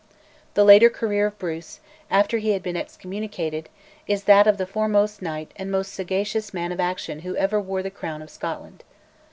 The later career of Bruce, after he had been excommunicated, is that of the foremost knight and most sagacious man of action who ever wore the crown of Scotland.